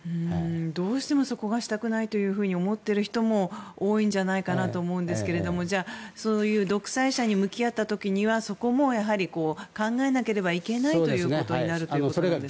どうしてもそこがしたくないと思ってる人も多いんじゃないかなと思いますがそういう独裁者に向き合った時はそこも考えなければいけないということになるんですね。